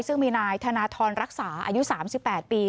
ซึ่งมีนายธนทรรักษาอายุ๓๘ปี